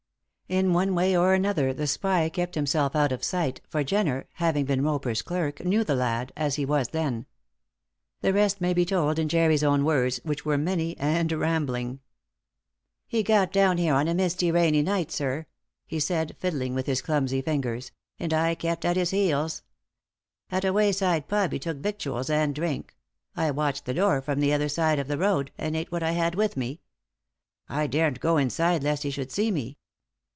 In one way or another the spy kept himself out of sight, for Jenner, having been Roper's clerk, knew the lad as he then was. The rest may be told in Jerry's own words, which were many and rambling: "He got down here on a misty, rainy night, sir," he said, fiddling with his clumsy fingers, "and I kept at his heels. At a wayside pub he took victuals and drink; I watched the door from the other side of the road, and ate what I had with me. I daren't go inside lest he should see me."